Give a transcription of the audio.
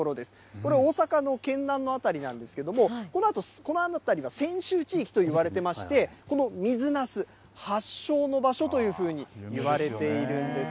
これ、大阪の県南の辺りなんですけれども、この辺りは泉州地域と言われていまして、この水なす発祥の場所というふうにいわれているんです。